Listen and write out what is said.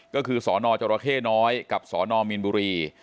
ก็คือสนจรเข้น้อยกับสนมีนบุรี